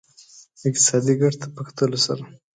اقتصادي ګټو ته په کتلو سره.